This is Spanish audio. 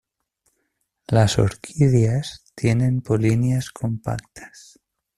Las orquídeas tienen polinias compactas.